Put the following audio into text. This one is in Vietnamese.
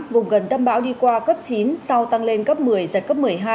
vùng gần tâm bão đi qua cấp chín sau tăng lên cấp một mươi giật cấp một mươi hai